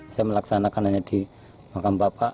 saya melaksanakan hanya di makam bapak